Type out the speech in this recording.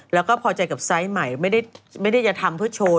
แล้วก็พอใจกับไซส์ใหม่ไม่ได้จะทำเพื่อโชว์